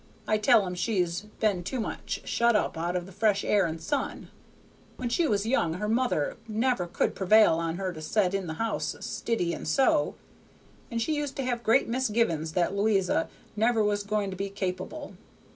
I tell 'em she's been too much shut up out of the fresh air and sun. When she was young her mother never could pr'vail on her to set in the house stiddy and sew, and she used to have great misgivin's that Lo'isa never was going to be capable.